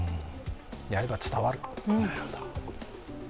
やれば伝わる。